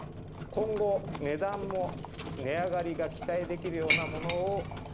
今後値段も値上がりが期待できるようなものを。